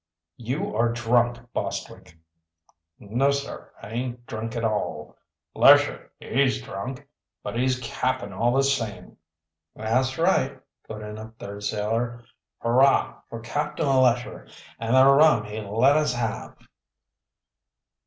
"You are drunk, Bostwick." "No, sir, aint drunk at all. Lesher, he's drunk but he's cap'n all the same." "That's right," put in a third sailor. "Hurrah for Captain Lesher and the rum he let us have!"